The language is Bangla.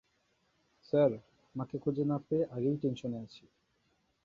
স্যার, মাকে খুঁজে না পেয়ে আগেই টেনশনে আছি।